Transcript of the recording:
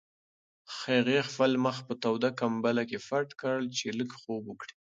هغې خپل مخ په توده کمپله کې پټ کړ چې لږ خوب وکړي.